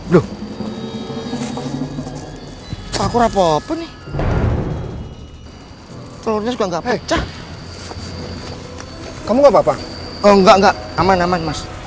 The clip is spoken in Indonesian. duh aku rapuh penyeluruhnya juga enggak pecah kamu bapak enggak enggak aman aman